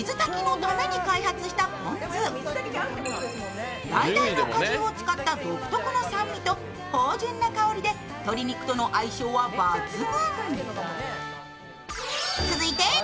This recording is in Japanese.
だいたいの果汁を使った独特の酸味と芳醇な香りで鶏肉との相性は抜群。